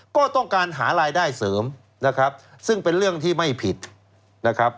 ก็ต้องการหารายได้เสริมนะครับซึ่งเป็นเรื่องที่ไม่ผิดนะครับ